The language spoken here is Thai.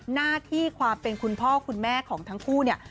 หน้าที่ความเป็นคุณพ่อคุณแม่ของทั้งคู่เนี่ย